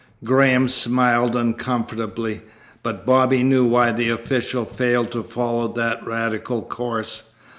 Graham smiled uncomfortably, but Bobby knew why the official failed to follow that radical course.